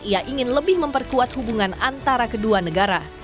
ia ingin lebih memperkuat hubungan antara kedua negara